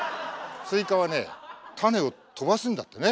スイカはね種を飛ばすんだってね。